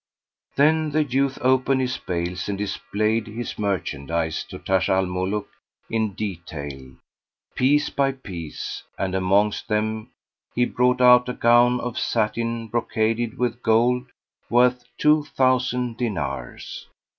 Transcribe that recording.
Then the youth opened his bales and displayed his merchandise to Taj Al Muluk in detail, piece by piece, and amongst them he brought out a gown of satin brocaded with gold, worth two thousand dinars.